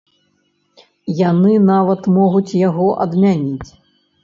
Яны нават могуць яго адмяніць.